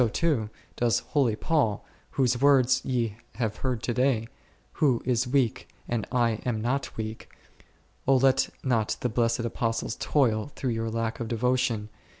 O O o o does holy Paul, whose words ye have heard to day, Who is weak and I am not weak ? O let not the blessed Apostles toil through your lack of devotion.